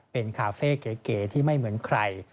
เป็นคาเฟ่เก๋ที่ไม่เหมือนใคร